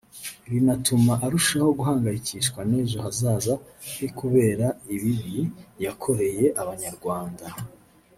rinatuma arushaho guhangayikishwa n’ejo hazaza he kubera ibibi yakoreye abanyarwanda